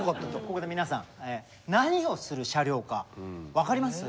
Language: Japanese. ここで皆さん何をする車両か分かります？